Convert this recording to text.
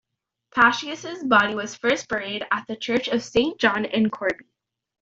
Paschasius' body was first buried at the Church of Saint John in Corbie.